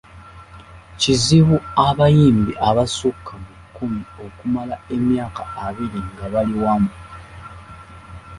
Kizibu abayimbi abasukka mu kkumi okumala emyaka abiri nga bali wamu.